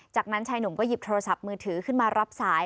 จากนั้นชายหนุ่มก็หยิบโทรศัพท์มือถือขึ้นมารับสาย